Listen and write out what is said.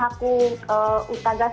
jadi yang benar benar cuman